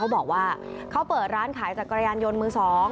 บอกว่าเขาเปิดร้านขายจักรยานยนต์มือ๒